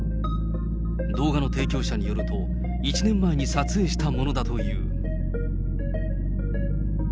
動画の提供者によると、１年前に撮影したものだという。